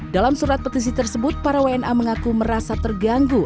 dalam surat petisi tersebut para wna mengaku merasa terganggu